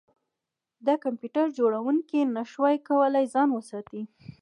د کمپیوټر جوړونکي نشوای کولی چې ځان وساتي